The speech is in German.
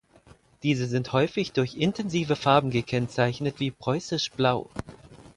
Diese sind häufig durch intensive Farben gekennzeichnet wie Preußisch Blau.